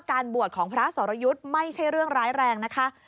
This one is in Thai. การบวชของพระสรยุทธ์ไม่ใช่เรื่องร้ายแรงนะคะ